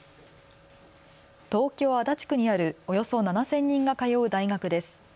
東京足立区にあるおよそ７０００人が通う大学です。